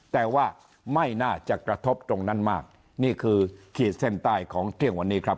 แต่ว่าไม่น่าจะกระทบตรงนั้นมากนี่คือขีดเส้นใต้ของเที่ยงวันนี้ครับ